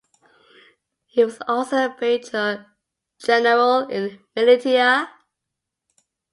He was also a Major General in the militia.